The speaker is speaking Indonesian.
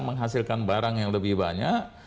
menghasilkan barang yang lebih banyak